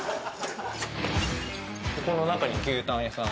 ここの中に牛たん屋さん